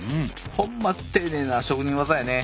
ほんま丁寧な職人技やね。